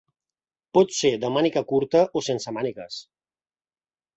Pot ser de màniga curta o sense mànigues.